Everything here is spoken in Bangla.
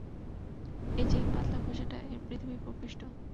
এই যে পাতলা খোসাটা, এটা পৃথিবীর ভূপৃষ্ঠ!